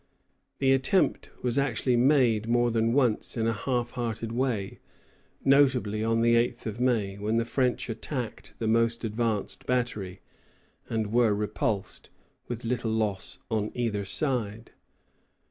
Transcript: _] The attempt was actually made more than once in a half hearted way, notably on the 8th of May, when the French attacked the most advanced battery, and were repulsed, with little loss on either side.